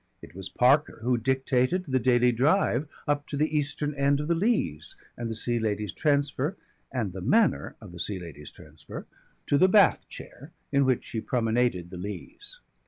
It was Parker who dictated the daily drive up to the eastern end of the Leas and the Sea Lady's transfer, and the manner of the Sea Lady's transfer, to the bath chair in which she promenaded the Leas.